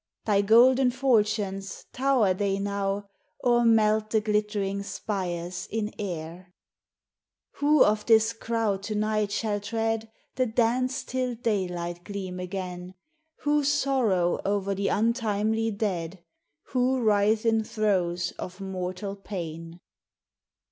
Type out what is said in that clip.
Thy golden fortunes, tower they now, Or melt the glittering spires in air ? Who of this crowd to night shall tread The dance till daylight gleam again? Who sorrow o'er the untimely dead ? Who writhe in throes of mortal pain